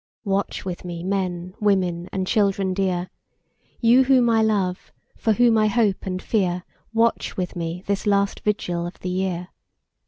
Watch with me, men, women, and children dear, You whom I love, for whom I hope and fear, Watch with me this last vigil of the year.